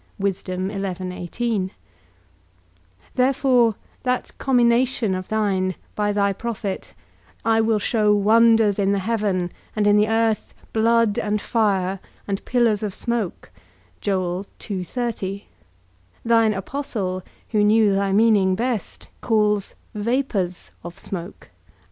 Therefore that commination of thine, by thy prophet, I will show wonders in the heaven, and in the earth, blood and fire, and pillars of smoke; thine apostle, who knew thy meaning best, calls vapours of smoke.